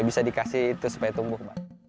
bisa dikasih itu supaya tumbuh